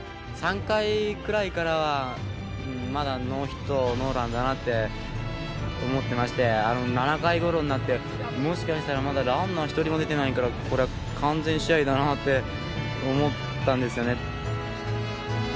３回くらいからまだノーヒットノーランだなって思ってまして、７回ごろになってもしかしたらまだランナー１人も出てないからこりゃ、完全試合だなって思ったんですよね。